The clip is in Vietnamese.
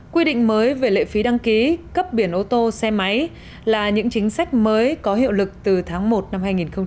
quy định mới về lệ phí đăng ký cấp biển ô tô xe máy là những chính sách mới có hiệu lực từ tháng một năm hai nghìn hai mươi